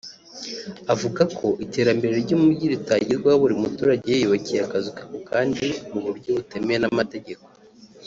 Avuga ko iterambere ry’umujyi ritagerwaho buri muturage yiyubakira akazu ke ku kandi mu buryo butemewe n’amategeko